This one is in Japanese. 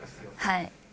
はい。